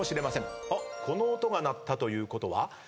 この音が鳴ったということは。